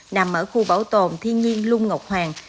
nằm ở khu bảo tồn thiên nhiên lung ngọc hoàng